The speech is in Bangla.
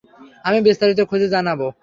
আমি বিস্তারিত খুঁজে জানাব।